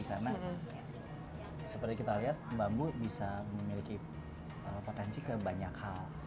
karena seperti kita lihat bambu bisa memiliki potensi ke banyak hal